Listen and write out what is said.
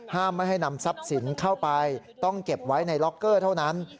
ไม่ให้นำทรัพย์สินเข้าไปต้องเก็บไว้ในล็อกเกอร์เท่านั้น